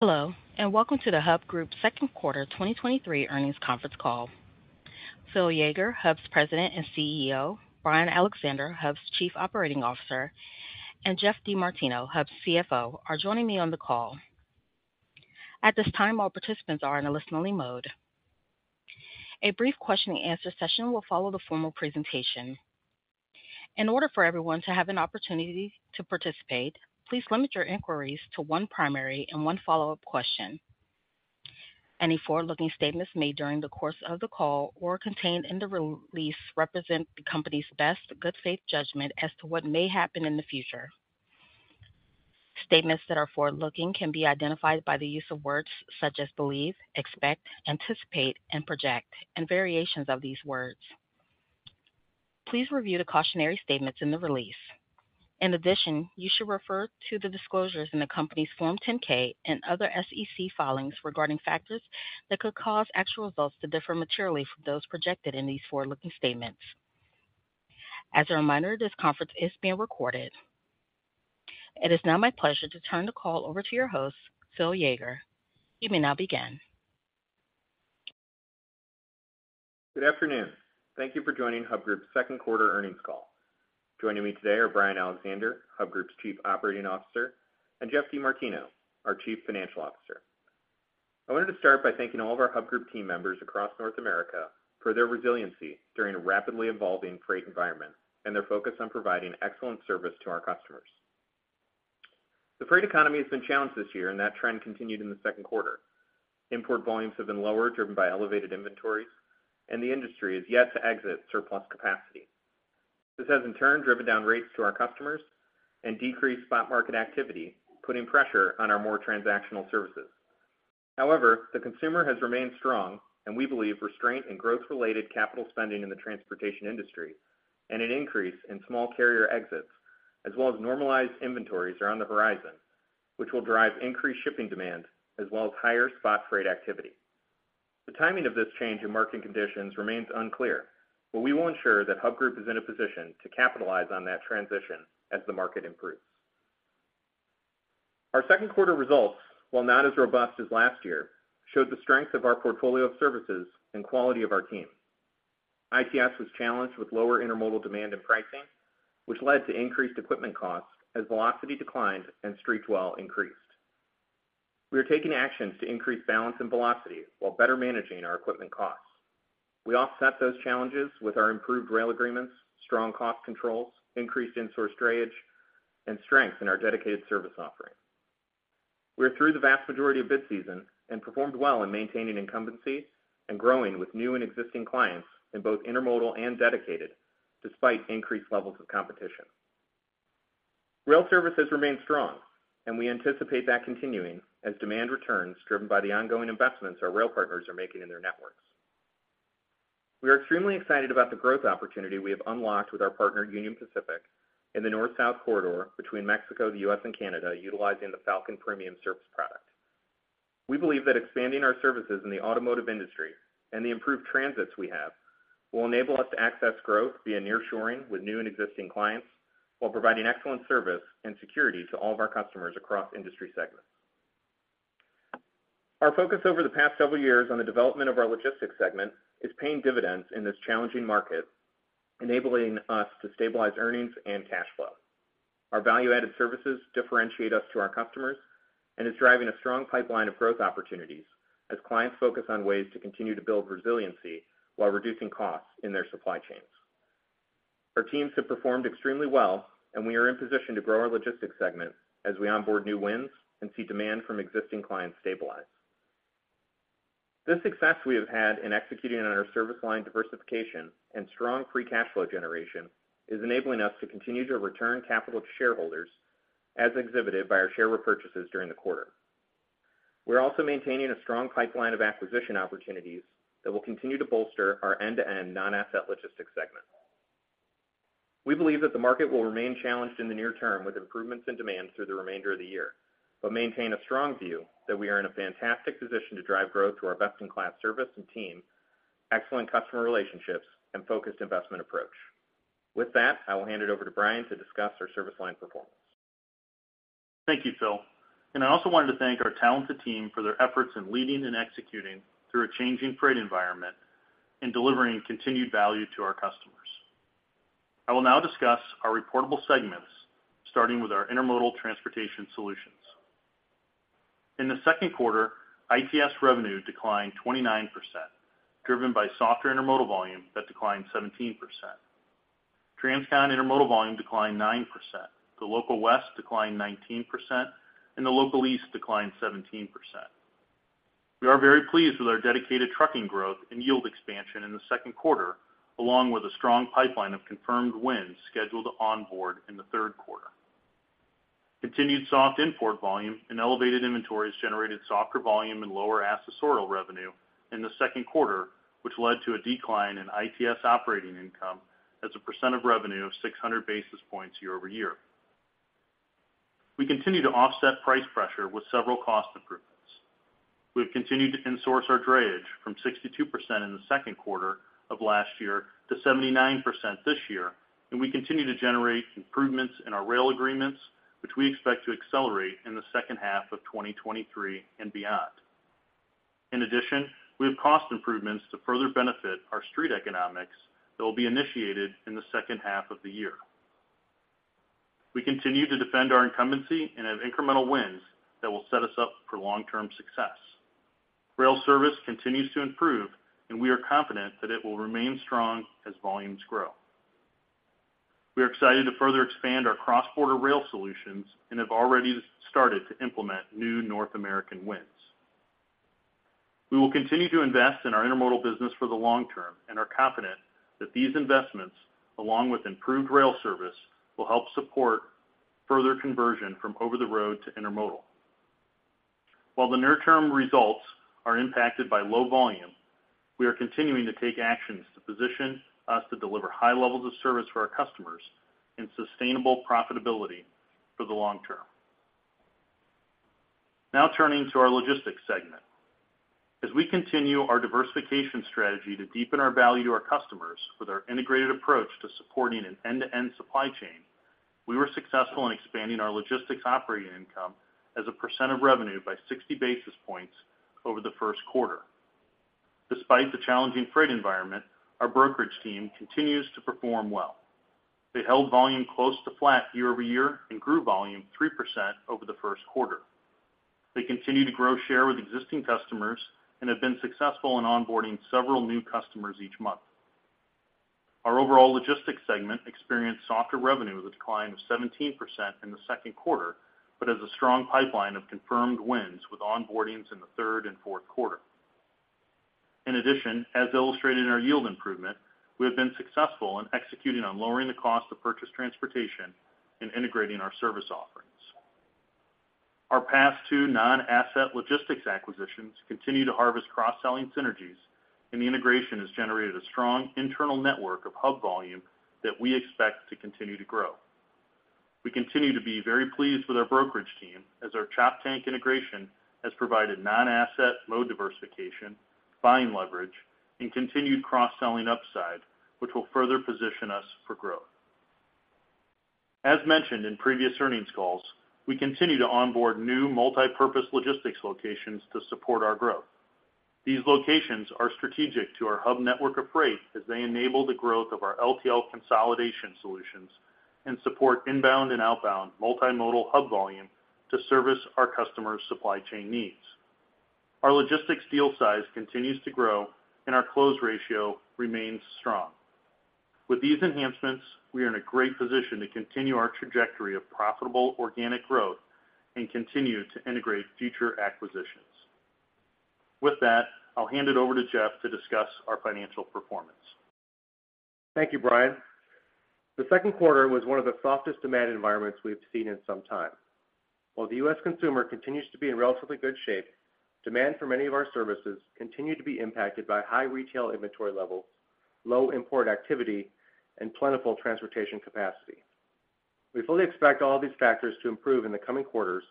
Hello, welcome to the Hub Group Second Quarter 2023 Earnings Conference Call. Phil Yeager, Hub's President and CEO, Brian Alexander, Hub's Chief Operating Officer, and Geoff DeMartino, Hub's CFO, are joining me on the call. At this time, all participants are in a listening mode. A brief question and answer session will follow the formal presentation. In order for everyone to have an opportunity to participate, please limit your inquiries to one primary and one follow-up question. Any forward-looking statements made during the course of the call or contained in the release represent the company's best good faith judgment as to what may happen in the future. Statements that are forward-looking can be identified by the use of words such as believe, expect, anticipate, and project, and variations of these words. Please review the cautionary statements in the release. In addition, you should refer to the disclosures in the company's Form 10-K and other SEC filings regarding factors that could cause actual results to differ materially from those projected in these forward-looking statements. As a reminder, this conference is being recorded. It is now my pleasure to turn the call over to your host, Phil Yeager. You may now begin. Good afternoon. Thank you for joining Hub Group's second quarter earnings call. Joining me today are Brian Alexander, Hub Group's Chief Operating Officer, and Geoff DeMartino, our Chief Financial Officer. I wanted to start by thanking all of our Hub Group team members across North America for their resiliency during a rapidly evolving freight environment and their focus on providing excellent service to our customers. The freight economy has been challenged this year, and that trend continued in the second quarter. Import volumes have been lower, driven by elevated inventories, and the industry is yet to exit surplus capacity. This has, in turn, driven down rates to our customers and decreased spot market activity, putting pressure on our more transactional services. However, the consumer has remained strong, we believe restraint and growth-related capital spending in the transportation industry, and an increase in small carrier exits, as well as normalized inventories, are on the horizon, which will drive increased shipping demand as well as higher spot freight activity. The timing of this change in market conditions remains unclear, we will ensure that Hub Group is in a position to capitalize on that transition as the market improves. Our second quarter results, while not as robust as last year, showed the strength of our portfolio of services and quality of our team. ITS was challenged with lower intermodal demand and pricing, which led to increased equipment costs as velocity declined and street dwell increased. We are taking actions to increase balance and velocity while better managing our equipment costs. We offset those challenges with our improved rail agreements, strong cost controls, increased insourced drayage, and strength in our dedicated service offering. We are through the vast majority of bid season and performed well in maintaining incumbency and growing with new and existing clients in both intermodal and dedicated, despite increased levels of competition. Rail services remain strong, and we anticipate that continuing as demand returns, driven by the ongoing investments our rail partners are making in their networks. We are extremely excited about the growth opportunity we have unlocked with our partner, Union Pacific, in the North-South corridor between Mexico, the U.S., and Canada, utilizing the Falcon Premium Service product. We believe that expanding our services in the automotive industry and the improved transits we have, will enable us to access growth via nearshoring with new and existing clients, while providing excellent service and security to all of our customers across industry segments. Our focus over the past several years on the development of our logistics segment is paying dividends in this challenging market, enabling us to stabilize earnings and cash flow. Our value-added services differentiate us to our customers and is driving a strong pipeline of growth opportunities as clients focus on ways to continue to build resiliency while reducing costs in their supply chains. Our teams have performed extremely well, and we are in position to grow our logistics segment as we onboard new wins and see demand from existing clients stabilize. This success we have had in executing on our service line diversification and strong free cash flow generation is enabling us to continue to return capital to shareholders, as exhibited by our share repurchases during the quarter. We're also maintaining a strong pipeline of acquisition opportunities that will continue to bolster our end-to-end non-asset logistics segment. We believe that the market will remain challenged in the near term, with improvements in demand through the remainder of the year, but maintain a strong view that we are in a fantastic position to drive growth through our best-in-class service and team, excellent customer relationships, and focused investment approach. With that, I will hand it over to Brian to discuss our service line performance. Thank you, Phil. I also wanted to thank our talented team for their efforts in leading and executing through a changing freight environment and delivering continued value to our customers. I will now discuss our reportable segments, starting with our Intermodal Transportation Solutions. In the second quarter, ITS revenue declined 29%, driven by softer intermodal volume that declined 17%. Transcon intermodal volume declined 9%, the Local West declined 19%, and the Local East declined 17%. We are very pleased with our dedicated trucking growth and yield expansion in the second quarter, along with a strong pipeline of confirmed wins scheduled to onboard in the third quarter. Continued soft import volume and elevated inventories generated softer volume and lower accessorial revenue in the second quarter, which led to a decline in ITS operating income as a percent of revenue of 600 basis points year-over-year. We continue to offset price pressure with several cost improvements. We have continued to insource our drayage from 62% in the second quarter of last year to 79% this year, and we continue to generate improvements in our rail agreements, which we expect to accelerate in the second half of 2023 and beyond. In addition, we have cost improvements to further benefit our street economics that will be initiated in the second half of the year. We continue to defend our incumbency and have incremental wins that will set us up for long-term success. Rail service continues to improve, and we are confident that it will remain strong as volumes grow. We are excited to further expand our cross-border rail solutions and have already started to implement new North American wins. We will continue to invest in our intermodal business for the long term and are confident that these investments, along with improved rail service, will help support further conversion from over-the-road to intermodal. While the near-term results are impacted by low volume, we are continuing to take actions to position us to deliver high levels of service for our customers and sustainable profitability for the long term. Now turning to our logistics segment. As we continue our diversification strategy to deepen our value to our customers with our integrated approach to supporting an end-to-end supply chain, we were successful in expanding our logistics operating income as a percent of revenue by 60 basis points over the first quarter. Despite the challenging freight environment, our brokerage team continues to perform well. They held volume close to flat year-over-year and grew volume 3% over the first quarter. They continue to grow share with existing customers and have been successful in onboarding several new customers each month. Our overall logistics segment experienced softer revenue with a decline of 17% in the second quarter, but has a strong pipeline of confirmed wins with onboardings in the third and fourth quarter. As illustrated in our yield improvement, we have been successful in executing on lowering the cost of purchased transportation and integrating our service offerings. Our past two non-asset logistics acquisitions continue to harvest cross-selling synergies, and the integration has generated a strong internal network of Hub volume that we expect to continue to grow. We continue to be very pleased with our brokerage team, as our Choptank integration has provided non-asset load diversification, buying leverage, and continued cross-selling upside, which will further position us for growth. As mentioned in previous earnings calls, we continue to onboard new multipurpose logistics locations to support our growth. These locations are strategic to our Hub network of freight as they enable the growth of our LTL consolidation solutions and support inbound and outbound multimodal Hub volume to service our customers' supply chain needs. Our logistics deal size continues to grow, and our close ratio remains strong. With these enhancements, we are in a great position to continue our trajectory of profitable organic growth and continue to integrate future acquisitions. With that, I'll hand it over to Geoff to discuss our financial performance. Thank you, Brian. The second quarter was one of the softest demand environments we've seen in some time. While the U.S. consumer continues to be in relatively good shape, demand for many of our services continue to be impacted by high retail inventory levels, low import activity, and plentiful transportation capacity. We fully expect all of these factors to improve in the coming quarters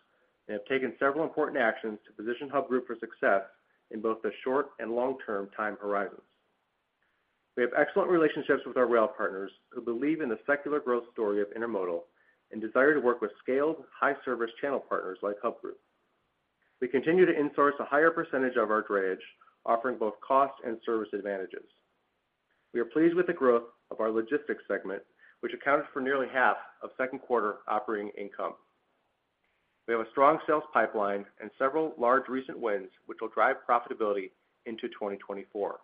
and have taken several important actions to position Hub Group for success in both the short and long-term time horizons. We have excellent relationships with our rail partners, who believe in the secular growth story of intermodal and desire to work with scaled, high-service channel partners like Hub Group. We continue to insource a higher percentage of our drayage, offering both cost and service advantages. We are pleased with the growth of our logistics segment, which accounted for nearly half of second quarter operating income. We have a strong sales pipeline and several large recent wins, which will drive profitability into 2024.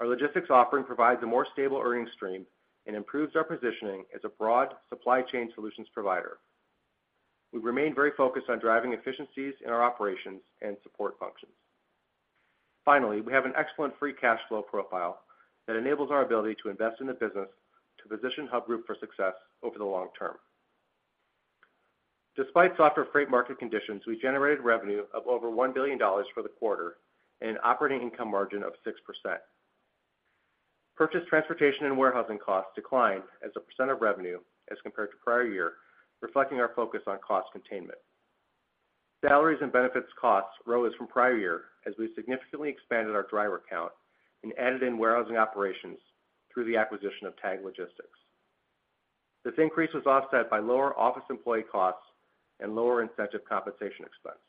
Our logistics offering provides a more stable earnings stream and improves our positioning as a broad supply chain solutions provider. We remain very focused on driving efficiencies in our operations and support functions. Finally, we have an an excellent free cash flow profile that enables our ability to invest in the business to position Hub Group for success over the long term. Despite softer freight market conditions, we generated revenue of over $1 billion for the quarter and an operating income margin of 6%. Purchased transportation and warehousing costs declined as a percent of revenue as compared to prior year, reflecting our focus on cost containment. Salaries and benefits costs rose from prior year as we significantly expanded our driver count and added in warehousing operations through the acquisition of TAGG Logistics. This increase was offset by lower office employee costs and lower incentive compensation expense.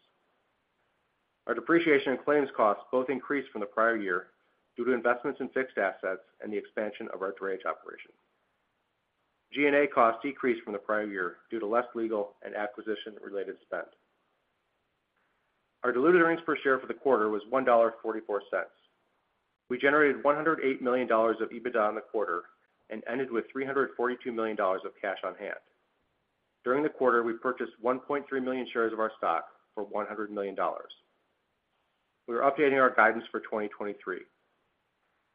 Our depreciation and claims costs both increased from the prior year due to investments in fixed assets and the expansion of our drayage operation. G&A costs decreased from the prior year due to less legal and acquisition-related spend. Our diluted earnings per share for the quarter was $1.44. We generated $108 million of EBITDA in the quarter and ended with $342 million of cash on hand. During the quarter, we purchased 1.3 million shares of our stock for $100 million. We are updating our guidance for 2023.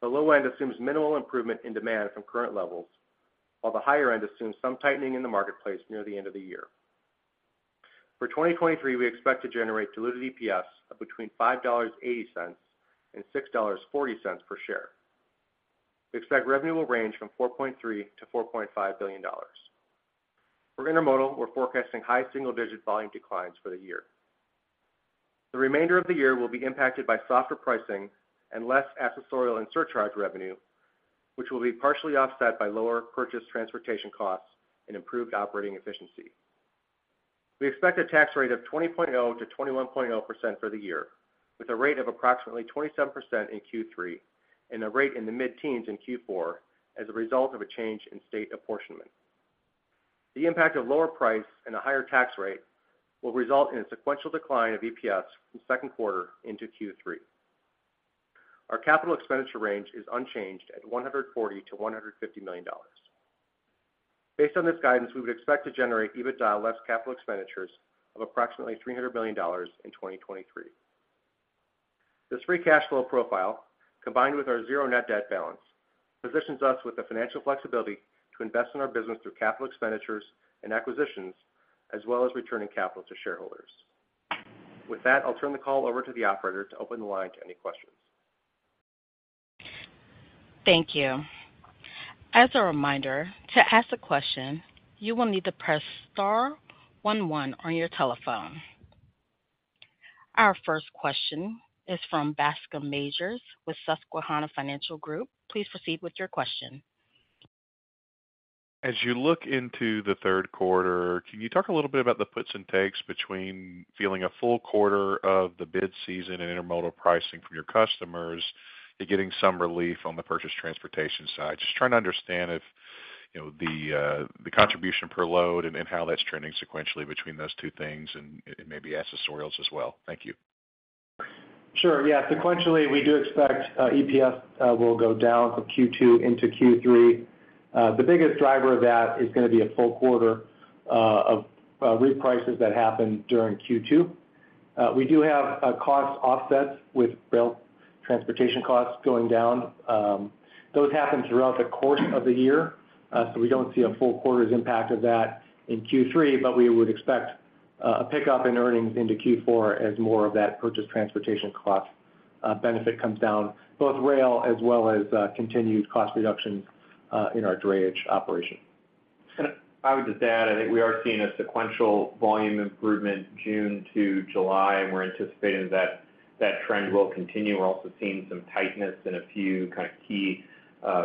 The low end assumes minimal improvement in demand from current levels, while the higher end assumes some tightening in the marketplace near the end of the year. For 2023, we expect to generate diluted EPS of between $5.80 and $6.40 per share. We expect revenue will range from $4.3 billion-$4.5 billion. For intermodal, we're forecasting high single digit volume declines for the year. The remainder of the year will be impacted by softer pricing and less accessorial and surcharge revenue, which will be partially offset by lower purchase transportation costs and improved operating efficiency. We expect a tax rate of 20.0%-21.0% for the year, with a rate of approximately 27% in Q3, and a rate in the mid-teens in Q4 as a result of a change in state apportionment. The impact of lower price and a higher tax rate will result in a sequential decline of EPS from second quarter into Q3. Our capital expenditure range is unchanged at $140 million-$150 million. Based on this guidance, we would expect to generate EBITDA less capital expenditures of approximately $300 million in 2023. This free cash flow profile, combined with our zero net debt balance, positions us with the financial flexibility to invest in our business through capital expenditures and acquisitions, as well as returning capital to shareholders. With that, I'll turn the call over to the operator to open the line to any questions. Thank you. As a reminder, to ask a question, you will need to press star one one on your telephone. Our first question is from Bascome Majors with Susquehanna Financial Group. Please proceed with your question. As you look into the third quarter, can you talk a little bit about the puts and takes between feeling a full quarter of the bid season and intermodal pricing from your customers and getting some relief on the purchase transportation side? Just trying to understand if, you know, the contribution per load and, and how that's trending sequentially between those two things, and, and maybe accessorials as well. Thank you. Sure. Yeah, sequentially, we do expect EPS will go down from Q2 into Q3. The biggest driver of that is going to be a full quarter of reprices that happened during Q2. We do have cost offsets with rail transportation costs going down. Those happen throughout the course of the year, so we don't see a full quarter's impact of that in Q3, but we would expect a pickup in earnings into Q4 as more of that purchase transportation cost benefit comes down, both rail as well as continued cost reductions in our drayage operation. I would just add, I think we are seeing a sequential volume improvement June to July. We're anticipating that, that trend will continue. We're also seeing some tightness in a few kind of key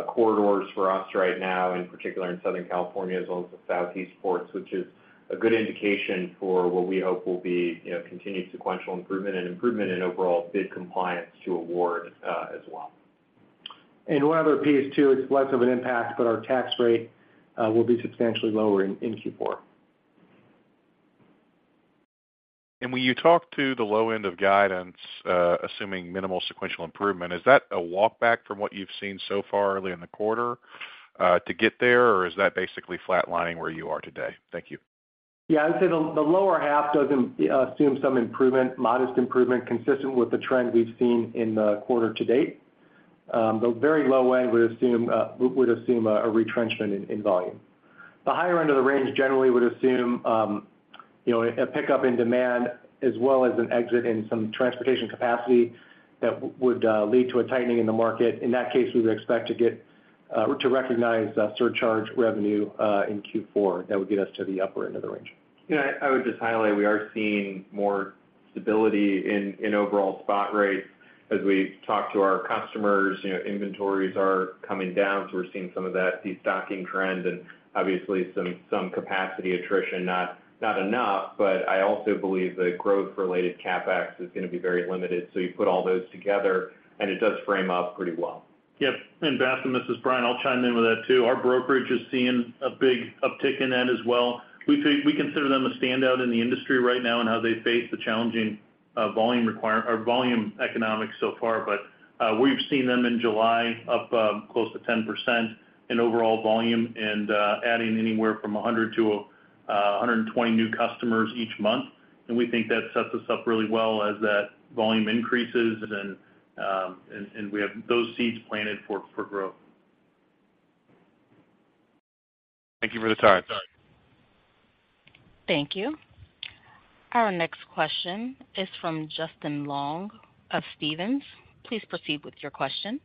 corridors for us right now, in particular in Southern California, as well as the Southeast ports, which is a good indication for what we hope will be, you know, continued sequential improvement and improvement in overall bid compliance to award as well. One other piece, too, it's less of an impact, but our tax rate will be substantially lower in, in Q4. When you talk to the low end of guidance, assuming minimal sequential improvement, is that a walk back from what you've seen so far early in the quarter, to get there, or is that basically flatlining where you are today? Thank you. Yeah, I'd say the, the lower half does assume some improvement, modest improvement, consistent with the trend we've seen in the quarter to date. The very low end would assume, would assume a retrenchment in, in volume. The higher end of the range generally would assume, you know, a pickup in demand as well as an exit in some transportation capacity that would, lead to a tightening in the market. In that case, we would expect to get, to recognize, surcharge revenue, in Q4. That would get us to the upper end of the range. Yeah, I, I would just highlight, we are seeing more stability in, in overall spot rates. As we talk to our customers, you know, inventories are coming down, so we're seeing some of that destocking trend and obviously some, some capacity attrition, not, not enough. I also believe the growth-related CapEx is going to be very limited. You put all those together, and it does frame up pretty well. Yep. Bascome, this is Brian. I'll chime in with that, too. Our brokerage is seeing a big uptick in that as well. We consider them a standout in the industry right now and how they face the challenging volume economics so far. We've seen them in July up close to 10% in overall volume and adding anywhere from 100-120 new customers each month. We think that sets us up really well as that volume increases and, and we have those seeds planted for, for growth. Thank you for the time. Thank you. Our next question is from Justin Long of Stephens. Please proceed with your question.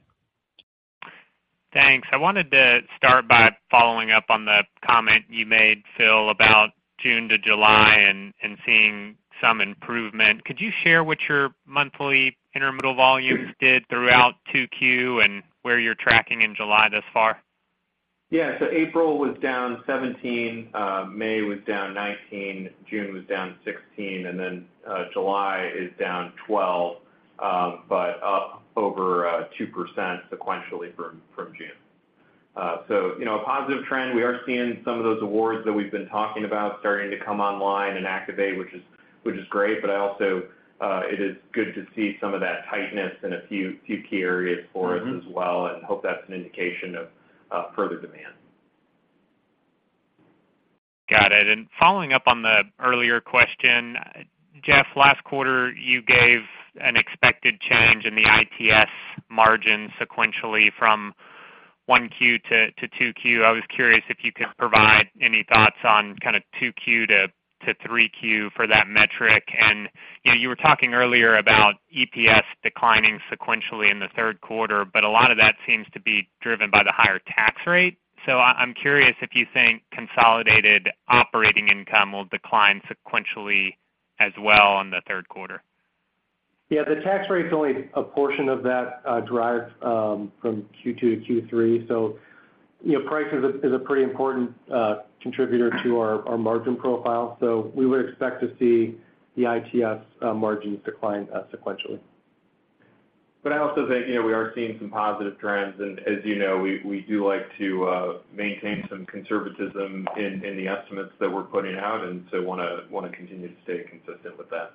Thanks. I wanted to start by following up on the comment you made, Phil, about June to July and seeing some improvement. Could you share what your monthly intermodal volumes did throughout 2Q and where you're tracking in July thus far? Yeah. April was down 17, May was down 19, June was down 16, and then July is down 12, but up over 2% sequentially from, from June. You know, a positive trend. We are seeing some of those awards that we've been talking about starting to come online and activate, which is, which is great, but I also, it is good to see some of that tightness in a few, few key areas for us as well, and hope that's an indication of further demand. Got it. Following up on the earlier question, Geoff, last quarter, you gave an expected change in the ITS margin sequentially from 1Q to 2Q. I was curious if you could provide any thoughts on kind of 2Q to 3Q for that metric. And, you know, you were talking earlier about EPS declining sequentially in the third quarter, but a lot of that seems to be driven by the higher tax rate. I'm curious if you think consolidated operating income will decline sequentially as well in the third quarter? Yeah, the tax rate is only a portion of that drive from Q2 to Q3. you know, price is a, is a pretty important contributor to our, our margin profile. We would expect to see the ITS margins decline sequentially. I also think, you know, we are seeing some positive trends, and as you know, we, we do like to maintain some conservatism in, in the estimates that we're putting out, and so want to, want to continue to stay consistent with that.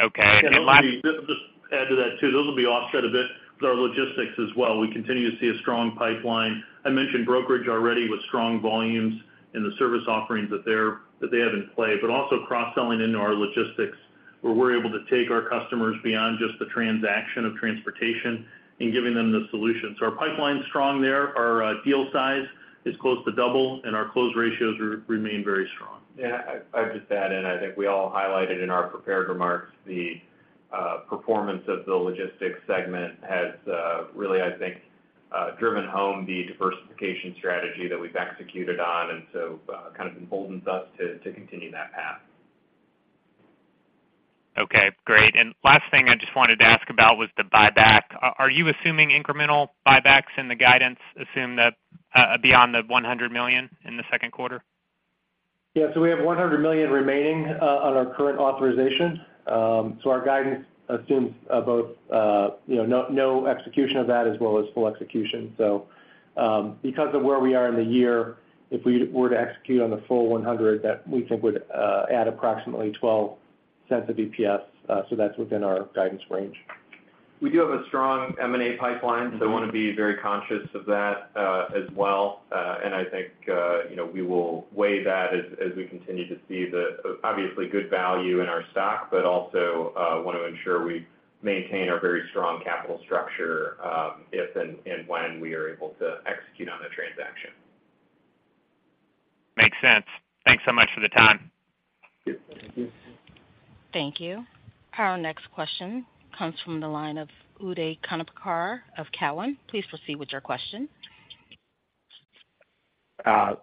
Okay. Just, just add to that, too. Those will be offset a bit with our logistics as well. We continue to see a strong pipeline. I mentioned brokerage already with strong volumes in the service offerings that they're, that they have in play, but also cross-selling into our logistics, where we're able to take our customers beyond just the transaction of transportation and giving them the solution. Our pipeline is strong there. Our deal size is close to double, and our close ratios remain very strong. Yeah, I'd just add in, I think we all highlighted in our prepared remarks, the performance of the logistics segment has really, I think driven home the diversification strategy that we've executed on, and so kind of emboldens us to continue that path. Okay, great. Last thing I just wanted to ask about was the buyback. Are you assuming incremental buybacks, and the guidance assume that, beyond the $100 million in the second quarter? We have $100 million remaining on our current authorization. Our guidance assumes, both, you know, no, no execution of that as well as full execution. Because of where we are in the year, if we were to execute on the full $100, that we think would add approximately $0.12 EPS. That's within our guidance range. We do have a strong M&A pipeline, so I want to be very conscious of that, as well. I think, you know, we will weigh that as, as we continue to see the, obviously, good value in our stock, but also, want to ensure we maintain our very strong capital structure, if and, and when we are able to execute on a transaction. Makes sense. Thanks so much for the time. Thank you. Our next question comes from the line of Uday Khanapurkar of Cowen. Please proceed with your question.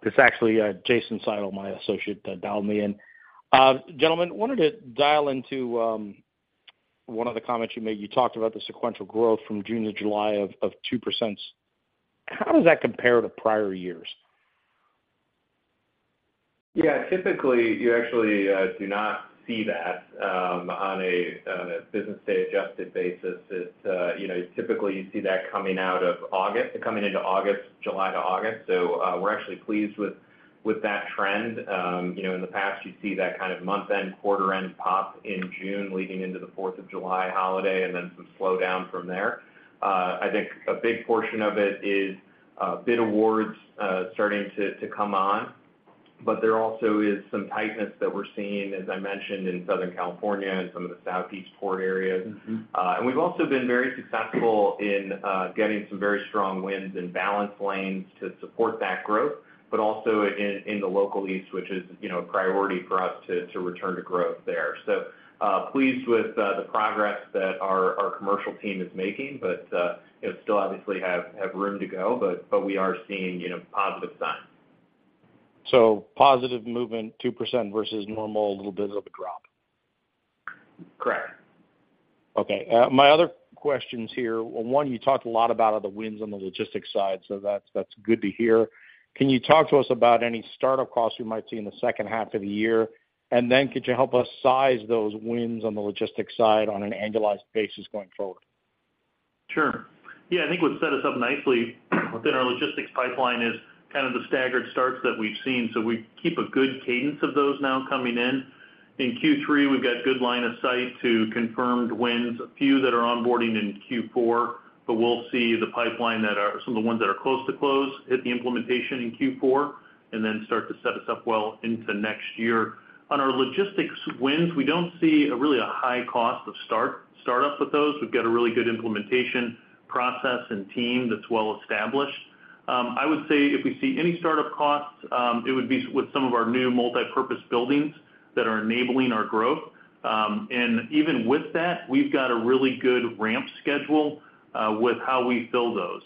It's actually Jason Seidl, my associate, that dialed me in. Gentlemen, wanted to dial into one of the comments you made. You talked about the sequential growth from June to July of 2%. How does that compare to prior years? Yeah, typically, you actually do not see that on a business day adjusted basis. It's, you know, typically, you see that coming out of August, coming into August, July to August. We're actually pleased with that trend. You know, in the past, you'd see that kind of month-end, quarter-end pop in June leading into the Fourth of July holiday, then some slowdown from there. I think a big portion of it is bid awards starting to come on, but there also is some tightness that we're seeing, as I mentioned, in Southern California and some of the Southeast port areas. We've also been very successful in getting some very strong wins and balance lanes to support that growth, but also in, in the Local East, which is, you know, a priority for us to, to return to growth there. Pleased with the progress that our, our commercial team is making, but, you know, still obviously have, have room to go, but, but we are seeing, you know, positive signs. So positive movement, 2% versus normal, a little bit of a drop? Correct. Okay, my other questions here. Well, one, you talked a lot about are the wins on the logistics side, so that's, that's good to hear. Can you talk to us about any startup costs you might see in the second half of the year? Could you help us size those wins on the logistics side on an annualized basis going forward? Sure. Yeah, I think what set us up nicely within our logistics pipeline is kind of the staggered starts that we've seen. We keep a good cadence of those now coming in. In Q3, we've got good line of sight to confirmed wins, a few that are onboarding in Q4. We'll see some of the ones that are close to close hit the implementation in Q4 and then start to set us up well into next year. On our logistics wins, we don't see a really high cost of startup with those. We've got a really good implementation process and team that's well established. I would say if we see any startup costs, it would be with some of our new multipurpose buildings that are enabling our growth. Even with that, we've got a really good ramp schedule with how we fill those.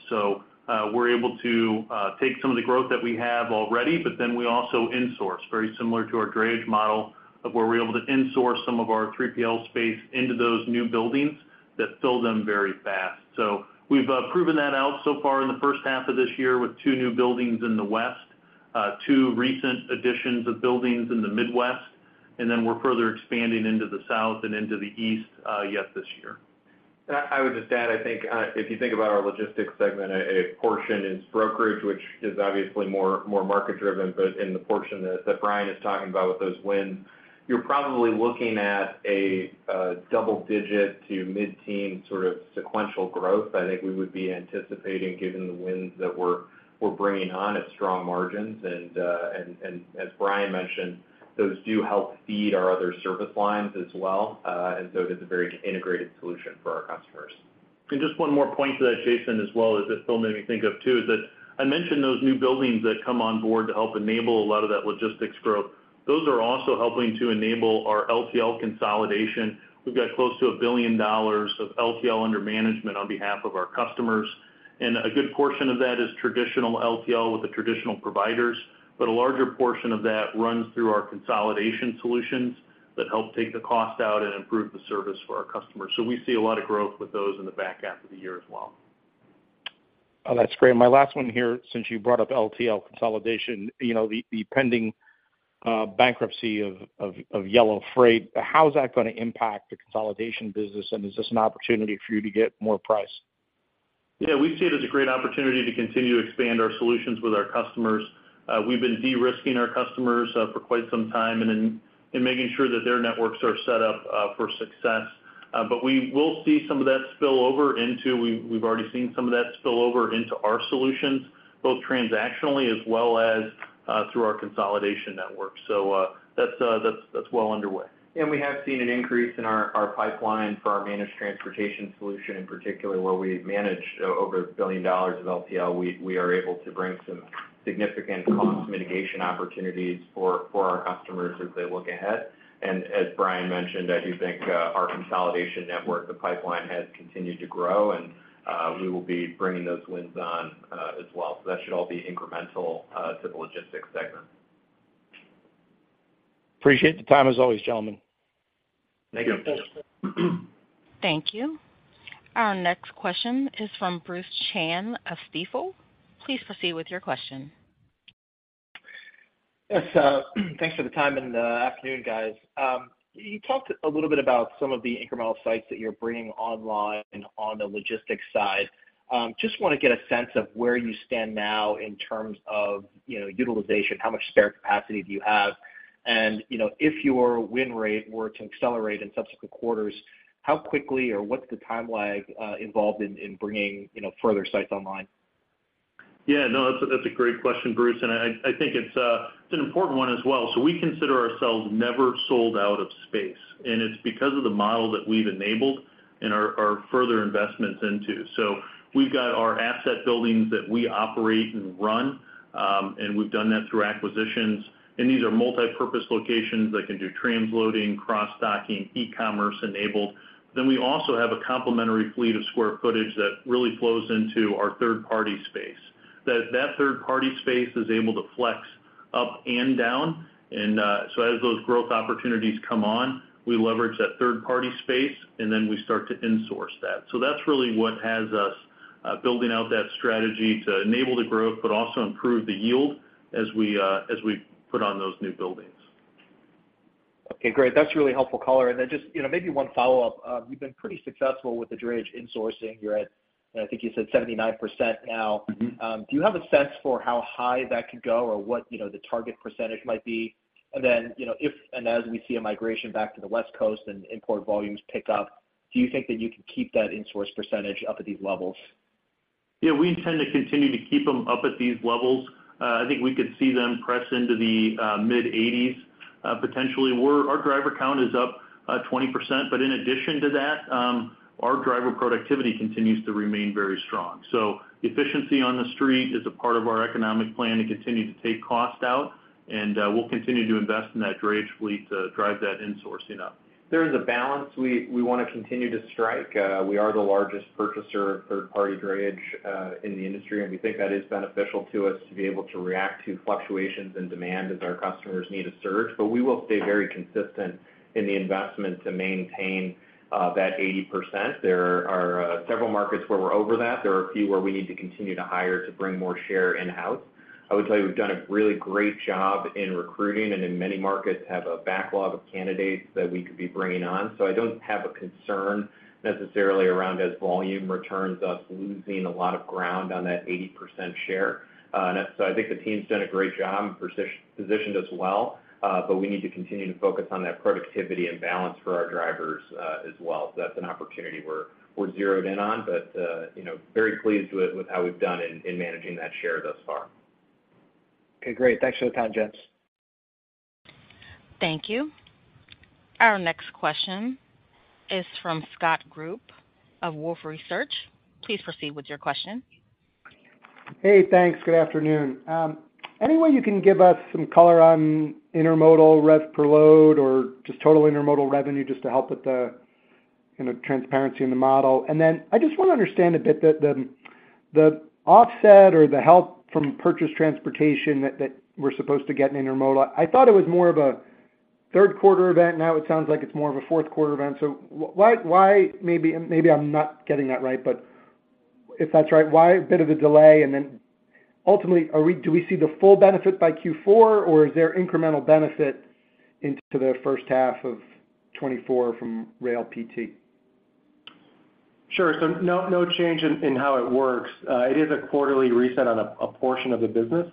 We're able to take some of the growth that we have already, but then we also insource, very similar to our drayage model, of where we're able to insource some of our 3PL space into those new buildings that fill them very fast. We've proven that out so far in the first half of this year with two new buildings in the West, two recent additions of buildings in the Midwest, and then we're further expanding into the South and into the East yet this year. I, I would just add, I think, if you think about our logistics segment, a, a portion is brokerage, which is obviously more, more market driven, but in the portion that, that Brian is talking about with those wins, you're probably looking at a double-digit to mid-teen sort of sequential growth. I think we would be anticipating, given the wins that we're, we're bringing on at strong margins, and, and as Brian mentioned, those do help feed our other service lines as well, and so it is a very integrated solution for our customers. Just one more point to that, Jason, as well, as this film made me think of, too, is that I mentioned those new buildings that come on board to help enable a lot of that logistics growth. Those are also helping to enable our LTL consolidation. We've got close to $1 billion of LTL under management on behalf of our customers. A good portion of that is traditional LTL with the traditional providers, but a larger portion of that runs through our consolidation solutions that help take the cost out and improve the service for our customers. We see a lot of growth with those in the back half of the year as well. Oh, that's great. My last one here, since you brought up LTL consolidation, you know, the, the pending bankruptcy of, of, of Yellow frieght, how's that going to impact the consolidation business? Is this an opportunity for you to get more price? Yeah, we see it as a great opportunity to continue to expand our solutions with our customers. We've been de-risking our customers for quite some time and making sure that their networks are set up for success. We will see some of that spill over into. We've already seen some of that spill over into our solutions, both transactionally as well as through our consolidation network. That's well underway. We have seen an increase in our pipeline for our managed transportation solution, in particular, where we manage over $1 billion of LTL. We are able to bring some significant cost mitigation opportunities for our customers as they look ahead. As Brian mentioned, I do think our consolidation network, the pipeline, has continued to grow, and we will be bringing those wins on as well. That should all be incremental to the logistics segment. Appreciate the time as always, gentlemen. Thank you. Thank you. Our next question is from Bruce Chan of Stifel. Please proceed with your question. Yes, thanks for the time and afternoon, guys. You talked a little bit about some of the incremental sites that you're bringing online on the logistics side. Just want to get a sense of where you stand now in terms of, you know, utilization, how much spare capacity do you have? And, you know, if your win rate were to accelerate in subsequent quarters, how quickly or what's the timeline involved in, in bringing, you know, further sites online? Yeah, no, that's a, that's a great question, Bruce, and I, I think it's an important one as well. We consider ourselves never sold out of space, and it's because of the model that we've enabled and our, our further investments into. We've got our asset buildings that we operate and run, and we've done that through acquisitions. These are multipurpose locations that can do transloading, cross-docking, e-commerce enabled. We also have a complementary fleet of square footage that really flows into our third-party space. That, that third-party space is able to flex up and down, and so as those growth opportunities come on, we leverage that third-party space, and then we start to insource that. That's really what has us building out that strategy to enable the growth, but also improve the yield as we as we put on those new buildings. Okay, great. That's a really helpful color. Just, you know, maybe one follow-up. You've been pretty successful with the drayage insourcing. You're at, I think you said 79% now. Do you have a sense for how high that could go or what, you know, the target percentage might be? Then, you know, if and as we see a migration back to the West Coast and import volumes pick up, do you think that you can keep that insource percentage up at these levels? Yeah, we intend to continue to keep them up at these levels. I think we could see them press into the mid-80s potentially. Our driver count is up 20%, in addition to that, our driver productivity continues to remain very strong. Efficiency on the street is a part of our economic plan to continue to take cost out, we'll continue to invest in that drayage fleet to drive that insourcing up. There is a balance we, we want to continue to strike. We are the largest purchaser of third-party drayage in the industry, and we think that is beneficial to us to be able to react to fluctuations in demand as our customers need to surge. We will stay very consistent in the investment to maintain that 80%. There are several markets where we're over that. There are a few where we need to continue to hire to bring more share in-house. I would tell you we've done a really great job in recruiting and in many markets have a backlog of candidates that we could be bringing on. I don't have a concern necessarily around as volume returns, us losing a lot of ground on that 80% share. I think the team's done a great job, position- positioned us well, but we need to continue to focus on that productivity and balance for our drivers, as well. That's an opportunity we're, we're zeroed in on, but, you know, very pleased with, with how we've done in, in managing that share thus far. Okay, great. Thanks for the time, gents. Thank you. Our next question is from Scott Group of Wolfe Research. Please proceed with your question. Hey, thanks. Good afternoon. Any way you can give us some color on intermodal rev per load or just total intermodal revenue, just to help with the, you know, transparency in the model? I just want to understand a bit the, the, the offset or the help from purchase transportation that, that we're supposed to get in intermodal. I thought it was more of a third quarter event, now it sounds like it's more of a fourth quarter event. Why, why maybe, maybe I'm not getting that right, but if that's right, why a bit of a delay? Ultimately, are we, do we see the full benefit by Q4, or is there incremental benefit into the 1st half of 2024 from uncertain PT? Sure. No, no change in, in how it works. It is a quarterly reset on a, a portion of the business.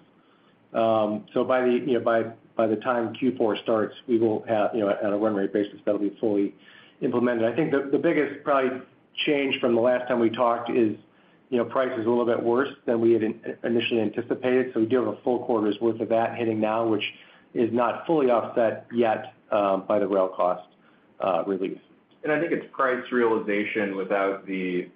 By the, you know, by, by the time Q4 starts, we will have, you know, on a run rate basis, that'll be fully implemented. I think the, the biggest probably change from the last time we talked is, you know, price is a little bit worse than we had in- initially anticipated. We do have a full quarter's worth of that hitting now, which is not fully offset yet by the rail cost release. I think it's price realization without the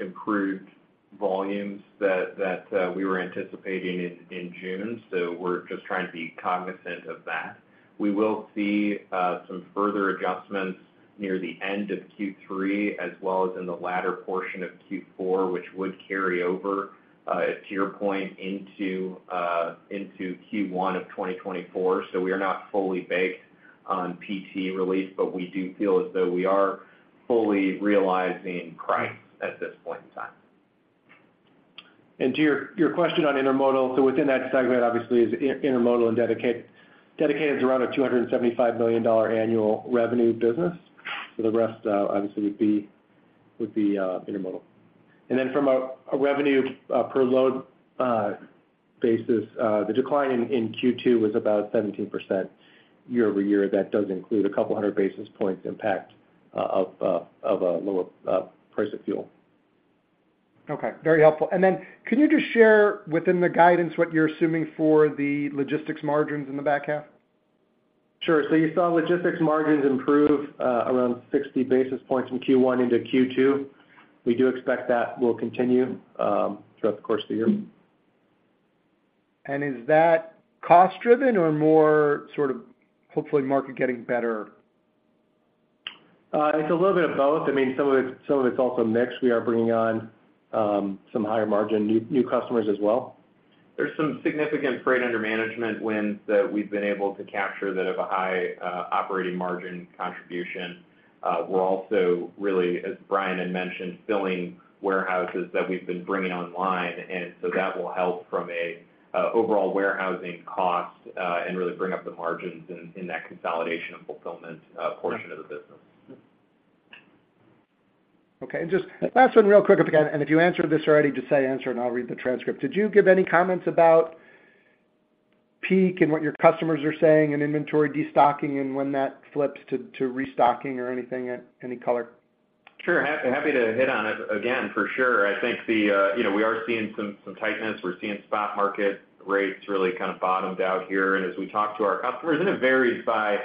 improved volumes that, that, we were anticipating in, in June. We're just trying to be cognizant of that. We will see some further adjustments near the end of Q3, as well as in the latter portion of Q4, which would carry over to your point, into Q1 of 2024. We are not fully baked on PT release, but we do feel as though we are fully realizing price at this point in time. To your, your question on intermodal, so within that segment, obviously, is intermodal and dedicated. Dedicated is around a $275 million annual revenue business, so the rest, obviously, would be, would be intermodal. From a revenue per load basis, the decline in Q2 was about 17% year-over-year. That does include a 200 basis points impact of lower price of fuel. Okay, very helpful. Then can you just share, within the guidance, what you're assuming for the logistics margins in the back half? Sure. You saw logistics margins improve, around 60 basis points in Q1 into Q2. We do expect that will continue throughout the course of the year. Is that cost driven or more sort of hopefully market getting better? It's a little bit of both. I mean, some of it, some of it's also mix. We are bringing on, some higher margin new, new customers as well. There's some significant freight under management wins that we've been able to capture that have a high operating margin contribution. We're also really, as Brian had mentioned, filling warehouses that we've been bringing online, and so that will help from a overall warehousing cost and really bring up the margins in, in that consolidation and fulfillment portion of the business. Okay. Just last one, real quick, again, and if you answered this already, just say, answer, and I'll read the transcript. Did you give any comments about peak and what your customers are saying, and inventory destocking and when that flips to, to restocking or anything, any color? Sure. Happy to hit on it again, for sure. I think the, you know, we are seeing some, some tightness. We're seeing spot market rates really kind of bottomed out here. As we talk to our customers, and it varies by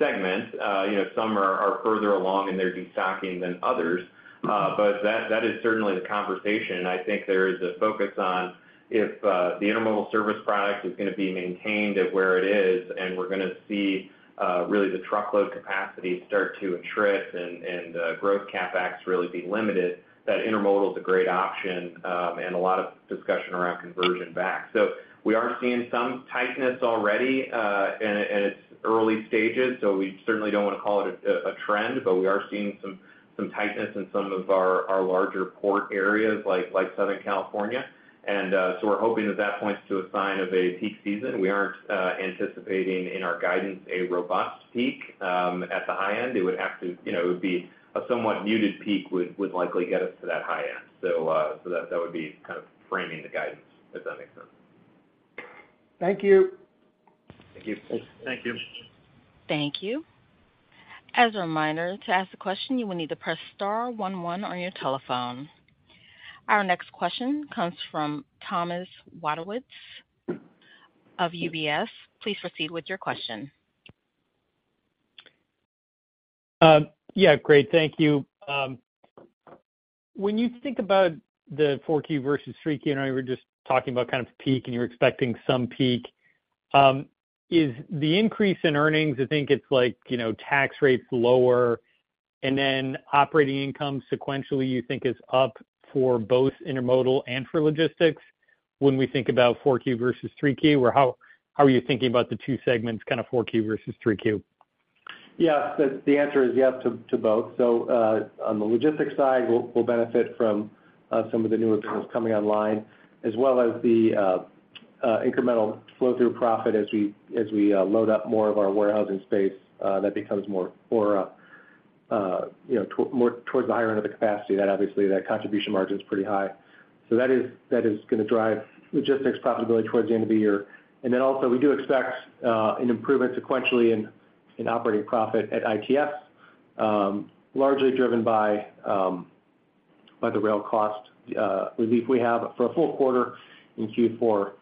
segment, you know, some are, are further along in their destocking than others. That, that is certainly the conversation. I think there is a focus on if the intermodal service product is gonna be maintained at where it is, and we're gonna see, really, the truckload capacity start to attrit and, and growth CapEx really be limited, that intermodal is a great option, and a lot of discussion around conversion back. We are seeing some tightness already, and it, and it's early stages, so we certainly don't want to call it a, a trend. We are seeing some, some tightness in some of our, our larger port areas, like, like Southern California. We're hoping that that points to a sign of a peak season. We aren't anticipating in our guidance, a robust peak. At the high end, it would have to, you know, it would be a somewhat muted peak, would, would likely get us to that high end. That, that would be kind of framing the guidance, if that makes sense. Thank you. Thank you. Thank you. Thank you. As a reminder, to ask a question, you will need to press star one one on your telephone. Our next question comes from Thomas Wadewitz of UBS. Please proceed with your question. Yeah, great. Thank you. When you think about the 4Q versus 3Q, I know you were just talking about kind of peak, and you're expecting some peak. Is the increase in earnings, I think it's like, you know, tax rates lower, and then operating income sequentially, you think is up for both intermodal and for logistics when we think about 4Q versus 3Q? How, how are you thinking about the two segments, kind of 4Q versus 3Q? Yeah. The, the answer is yes to, to both. On the logistics side, we'll, we'll benefit from some of the new approvals coming online, as well as the incremental flow-through profit as we, as we load up more of our warehousing space, that becomes more, more, you know, more towards the higher end of the capacity, that obviously, that contribution margin is pretty high. That is, that is gonna drive logistics profitability towards the end of the year. We do expect an improvement sequentially in, in operating profit at ITS, largely driven by the rail cost relief we have for a full quarter in Q4.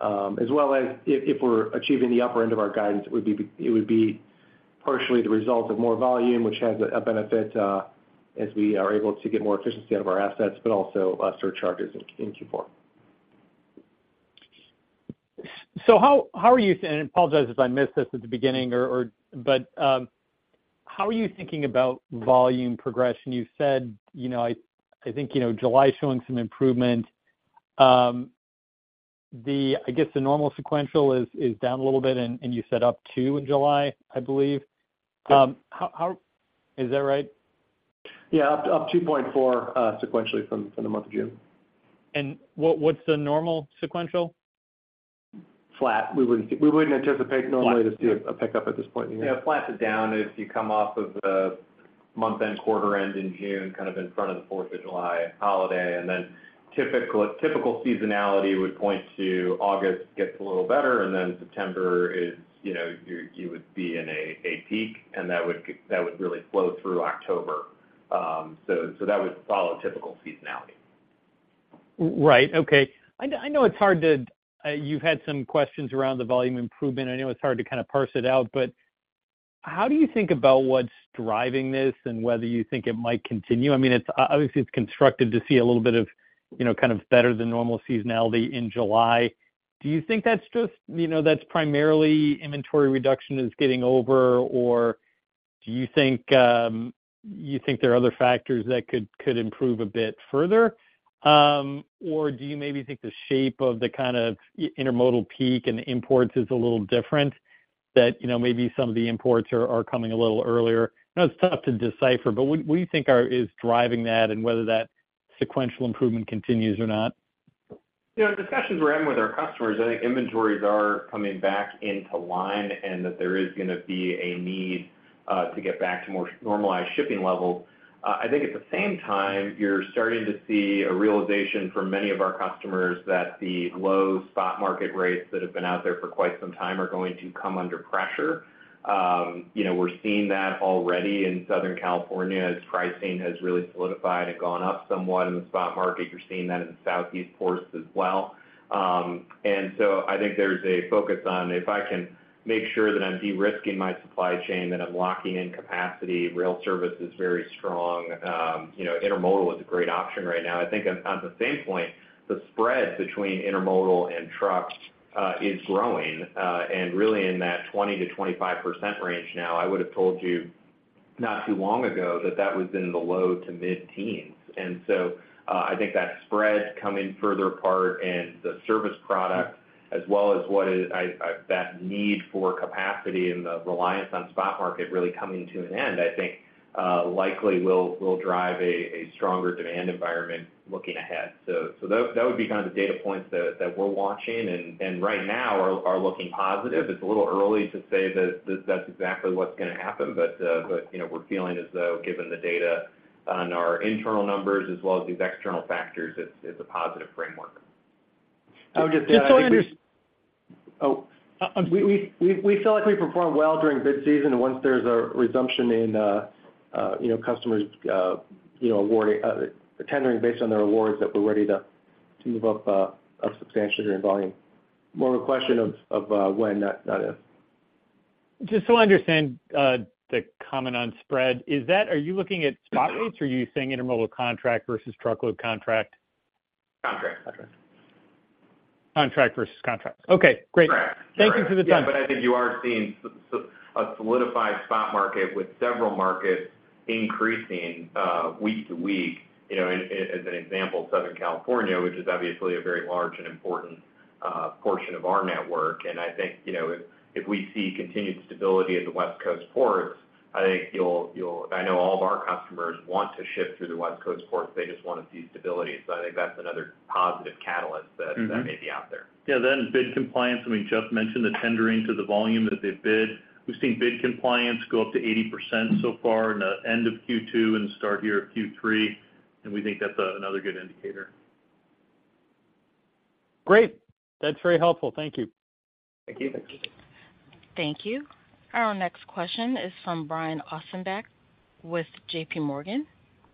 As well as if, if we're achieving the upper end of our guidance, it would be, it would be partially the result of more volume, which has a benefit, as we are able to get more efficiency out of our assets, but also, surcharges in Q4. How, how are you, I apologize, if I missed this at the beginning, how are you thinking about volume progression? You said, you know, I, I think, you know, July is showing some improvement. The, I guess, the normal sequential is, is down a little bit, and, and you said up 2 in July, I believe. How, how, Is that right? Yeah, up, up 2.4 sequentially from, from the month of June. What, what's the normal sequential? Flat. we wouldn't anticipate normally to see a pickup at this point in the year. Yeah, flat to down, if you come off of the month-end, quarter-end in June, kind of in front of the Fourth of July holiday. Then typical, typical seasonality would point to August gets a little better, and then September is, you know, you would be in a peak, and that would really flow through October. So that would follow typical seasonality. Right. Okay. I know, I know it's hard to, you've had some questions around the volume improvement. I know it's hard to kind of parse it out. How do you think about what's driving this and whether you think it might continue? I mean, it's, obviously, it's constructive to see a little bit of, you know, kind of better than normal seasonality in July. Do you think that's just, you know, that's primarily inventory reduction is getting over, or do you think, you think there are other factors that could, could improve a bit further? Or do you maybe think the shape of the kind of intermodal peak and the imports is a little different, that, you know, maybe some of the imports are, are coming a little earlier? I know it's tough to decipher, but what do you think is driving that and whether that sequential improvement continues or not? You know, in discussions we're having with our customers, I think inventories are coming back into line, and that there is gonna be a need to get back to more normalized shipping levels. I think at the same time, you're starting to see a realization for many of our customers that the low spot market rates that have been out there for quite some time are going to come under pressure. You know, we're seeing that already in Southern California, as pricing has really solidified and gone up somewhat in the spot market. You're seeing that in the Southeast ports as well. I think there's a focus on, if I can make sure that I'm de-risking my supply chain, that I'm locking in capacity, rail service is very strong, you know, intermodal is a great option right now. I think on the same point, the spread between intermodal and truck is growing and really in that 20%-25% range now. I would have told you not too long ago that that was in the low to mid-teens. I think that spread coming further apart and the service product, as well as what is... that need for capacity and the reliance on spot market really coming to an end, I think, likely will drive a stronger demand environment looking ahead. That would be kind of the data points that we're watching, and right now are looking positive. It's a little early to say that, that, that's exactly what's gonna happen, but, but, you know, we're feeling as though, given the data on our internal numbers as well as these external factors, it's, it's a positive framework. I would just add. Just so I under- Oh. We feel like we performed well during bid season, and once there's a resumption in, you know, customers, you know, awarding, tendering based on their awards, that we're ready to move up, a substantial amount of volume. More of a question of when, not, not if. Just so I understand, the comment on spread, is that, are you looking at spot rates or are you saying intermodal contract versus truckload contract? Contract. Contract versus contract. Okay, great. Correct. Thank you for the time. Yeah, I think you are seeing a solidified spot market with several markets increasing week to week. You know, as an example, Southern California, which is obviously a very large and important portion of our network. I think, you know, if we see continued stability at the West Coast ports, I think I know all of our customers want to ship through the West Coast ports. They just want to see stability. I think that's another positive catalyst that may be out there. Yeah, bid compliance, I mean, Geoff mentioned the tendering to the volume that they've bid. We've seen bid compliance go up to 80% so far in the end of Q2 and start here of Q3, and we think that's another good indicator. Great. That's very helpful. Thank you. Thank you. Thank you. Thank you. Our next question is from Brian Ossenbeck with JPMorgan.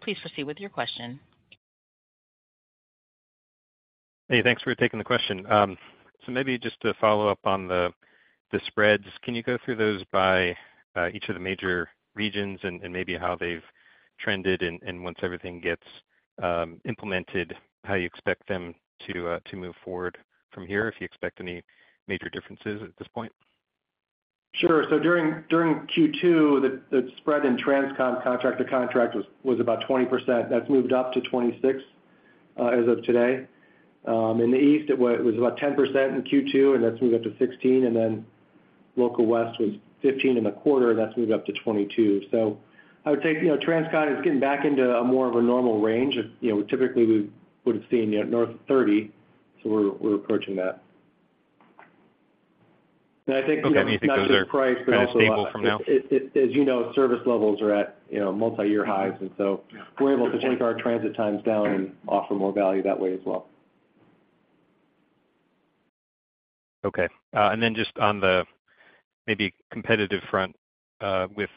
Please proceed with your question. Hey, thanks for taking the question. Maybe just to follow up on the, the spreads, can you go through those by each of the major regions and, and maybe how they've trended, and, and once everything gets implemented, how you expect them to move forward from here, if you expect any major differences at this point? Sure. during, during Q2, the, the spread in Transcon contract to contract was, was about 20%. That's moved up to 26 as of today. In the East, it was about 10% in Q2, that's moved up to 16, then Local West was 15 in the quarter, that's moved up to 22. I would take, you know, Transcon as getting back into a more of a normal range of, you know, typically we would have seen north of 30, we're, we're approaching that. I think, you know, not just price, but also- Okay, you think those are kind of stable from now? As, as you know, service levels are at, you know, multiyear highs, and so we're able to take our transit times down and offer more value that way as well. Okay, just on the maybe competitive front, with,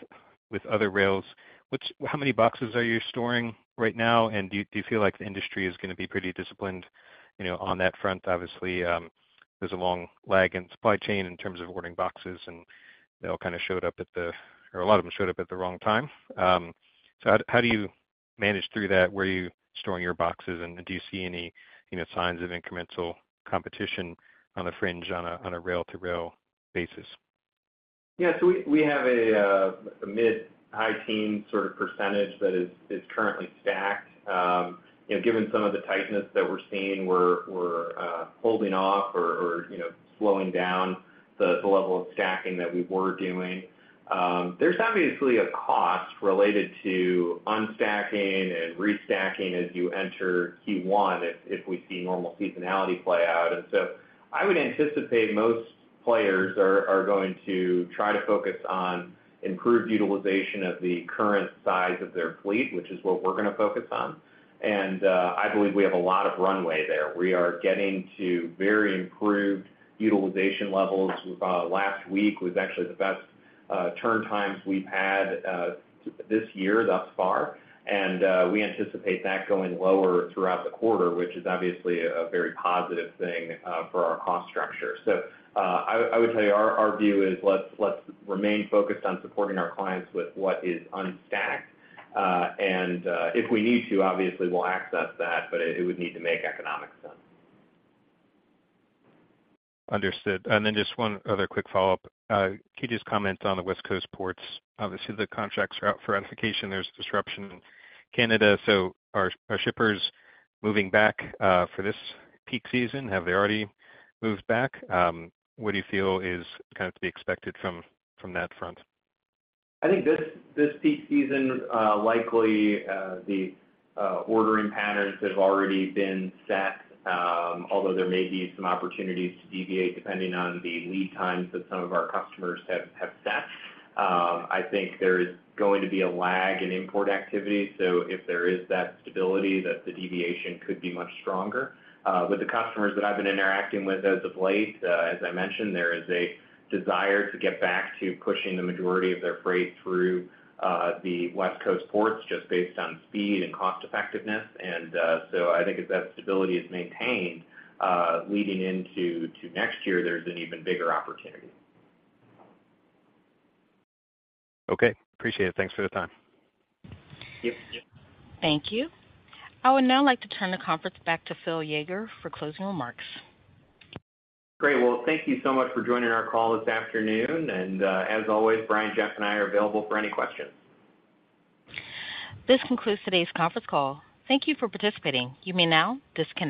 with other rails, which, how many boxes are you storing right now? Do you, do you feel like the industry is gonna be pretty disciplined, you know, on that front? Obviously, there's a long lag in supply chain in terms of ordering boxes, and they all kind of showed up at the, or a lot of them showed up at the wrong time. How, how do you manage through that? Where are you storing your boxes, and do you see any, you know, signs of incremental competition on the fringe on a, on a rail-to-rail basis? Yeah, we, we have a mid-high teen sort of % that is, is currently stacked. You know, given some of the tightness that we're seeing, we're, we're holding off or, or, you know, slowing down the, the level of stacking that we were doing. There's obviously a cost related to unstacking and restacking as you enter Q1, if, if we see normal seasonality play out. I would anticipate most players are, are going to try to focus on improved utilization of the current size of their fleet, which is what we're gonna focus on. I believe we have a lot of runway there. We are getting to very improved utilization levels. Last week was actually the best turn times we've had this year thus far, we anticipate that going lower throughout the quarter, which is obviously a very positive thing for our cost structure. I would, I would tell you, our, our view is, let's, let's remain focused on supporting our clients with what is unstacked. If we need to, obviously, we'll access that, but it, it would need to make economic sense. Understood. Just 1 other quick follow-up. Could you just comment on the West Coast ports? Obviously, the contracts are out for ratification. There's disruption in Canada. Are, are shippers moving back for this peak season? Have they already moved back? What do you feel is kind of to be expected from, from that front? I think this, this peak season, likely, the, ordering patterns have already been set, although there may be some opportunities to deviate, depending on the lead times that some of our customers have, have set. I think there is going to be a lag in import activity, so if there is that stability, that the deviation could be much stronger. The customers that I've been interacting with as of late, as I mentioned, there is a desire to get back to pushing the majority of their freight through, the West Coast ports, just based on speed and cost effectiveness. I think if that stability is maintained, leading into, to next year, there's an even bigger opportunity. Okay, appreciate it. Thanks for the time. Yep. Thank you. I would now like to turn the conference back to Phil Yeager for closing remarks. Great. Well, thank you so much for joining our call this afternoon, and, as always, Brian, Geoff, and I are available for any questions. This concludes today's conference call. Thank you for participating. You may now disconnect.